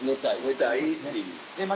寝たいっていう。